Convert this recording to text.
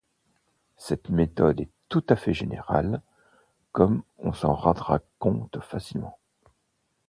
Cette méthode est tout à fait générale, comme on s'en rendra compte facilement.